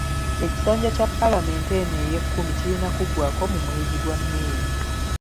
Ekisanja kya paalamenti eno ey'e kkumi kirina kuggwako mu mwezi gwa May.